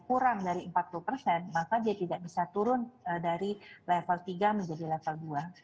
kurang dari empat puluh persen maka dia tidak bisa turun dari level tiga menjadi level dua